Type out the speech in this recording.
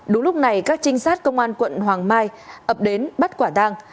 đúng lúc này các trinh sát công an quận hoàng mai ập đến bắt quả tang